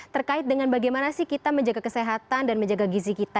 terkait dengan bagaimana sih kita menjaga kesehatan dan menjaga gizi kita